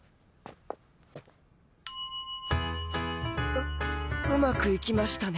ううまくいきましたね。